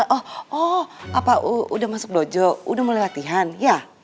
oh oh apa udah masuk dojo udah mulai latihan ya